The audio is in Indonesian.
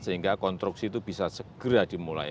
sehingga konstruksi itu bisa segera dimulai